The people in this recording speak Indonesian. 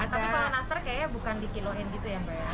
tapi kalau nastar kayaknya bukan dikiloin gitu ya mbak ya